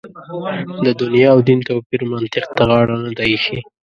د دنیا او دین توپیر منطق ته غاړه نه ده اېښې.